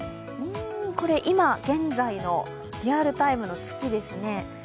今現在のリアルタイムの月ですね。